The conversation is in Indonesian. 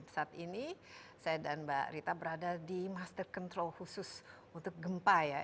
saat ini saya dan mbak rita berada di master control khusus untuk gempa ya